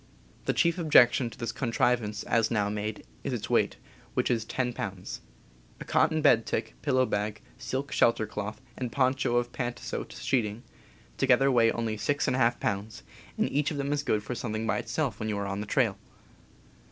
The chief objection to this contrivance, as now made, is its weight, which is 10 pounds. A cotton bed tick, pillow bag, silk shelter cloth, and poncho of pantasote sheeting, together weigh only 6^ pounds, and each of them is good for something by itself when you are on the trail.